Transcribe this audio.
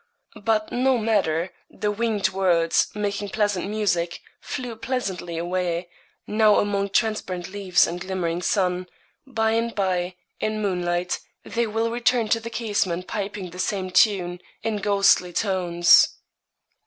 But no matter; the winged words making pleasant music flew pleasantly away, now among transparent leaves and glimmering sun; by and by, in moonlight, they will return to the casement piping the same tune, in ghostly tones.